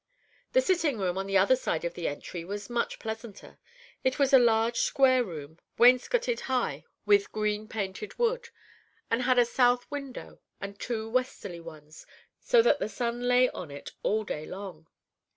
The sitting room on the other side of the entry was much pleasanter. It was a large, square room, wainscoted high with green painted wood, and had a south window and two westerly ones, so that the sun lay on it all day long.